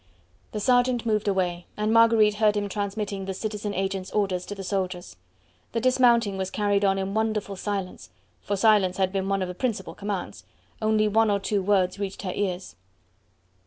The sergeant moved away, and Marguerite heard him transmitting the citizen agent's orders to the soldiers. The dismounting was carried on in wonderful silence for silence had been one of the principal commands only one or two words reached her ears.